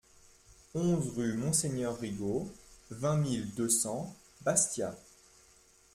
onze rue Monseigneur Rigo, vingt mille deux cents Bastia